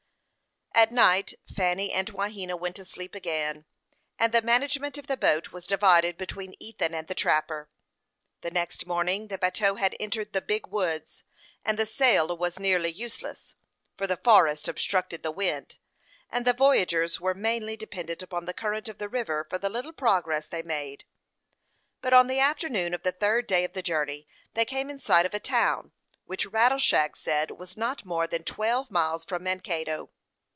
At night Fanny and Wahena went to sleep again, and the management of the boat was divided between Ethan and the trapper. The next morning the bateau had entered the Big Woods, and the sail was nearly useless, for the forest obstructed the wind, and the voyagers were mainly dependent upon the current of the river for the little progress they made; but on the afternoon of the third day of the journey, they came in sight of a town, which Rattleshag said was not more than twelve miles from Mankato.